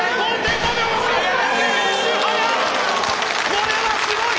これはすごい！